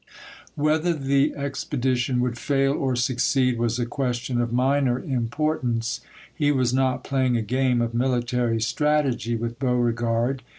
Whether 4A THE FALL OF SUMTEH 45 the expedition would fail or succeed was a question chap. m. of minor importance. He was not playing a game of military strategy with Beauregard.